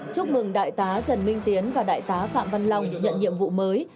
chúc mừng đại tá trần minh tiến và đại tá phạm văn long nhận nhiệm vụ mới